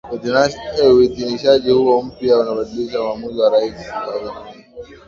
Uidhinishaji huo mpya unabadilisha uamuzi wa Rais wa zamani